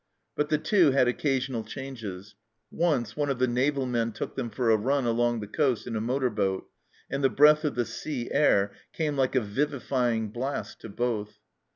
But the Two had occasional changes ; once one of the naval men took them for a run along the coast in a motor boat, and the breath of the sea air came like a vivifying blast to both.